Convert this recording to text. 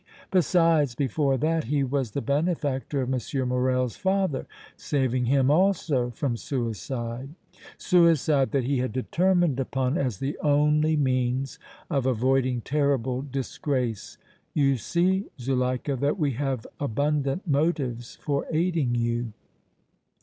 Besides, before that he was the benefactor of M. Morrel's father, saving him also from suicide, suicide that he had determined upon as the only means of avoiding terrible disgrace. You see, Zuleika, that we have abundant motives for aiding you."